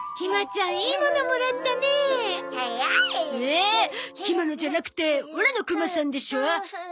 ええ？ひまのじゃなくてオラのクマさんでしょ？